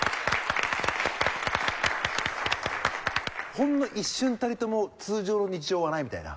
ほんの一瞬たりとも通常の日常はないみたいな。